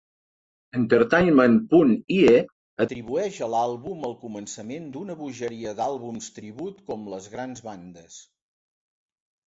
"Entertainment.ie" atribueix a l'àlbum el començament d'una "bogeria" d'àlbums tribut com les grans bandes.